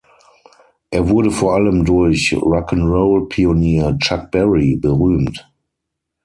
Er wurde vor allem durch Rock-’n’-Roll-Pionier Chuck Berry berühmt.